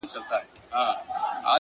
صادق چلند د درناوي سرچینه ګرځي.!